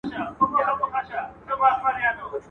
آب حیات د بختورو نصیب سینه.